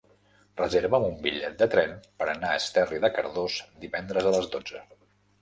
Reserva'm un bitllet de tren per anar a Esterri de Cardós divendres a les dotze.